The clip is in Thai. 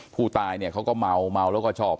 ผู้ตายเนี่ยเขาก็เมาเมาแล้วก็ชอบ